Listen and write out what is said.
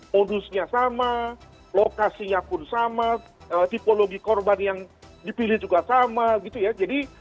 modusnya sama lokasinya pun sama tipologi korban yang dipilih juga sama gitu ya